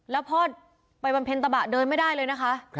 แล้วพ่อไปบำเพ็ญตะบะเดินไม่ได้เลยนะคะ